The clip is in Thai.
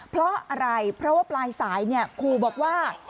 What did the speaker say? เพราะอะไรเพราะว่าปลายสายครูบอกว่า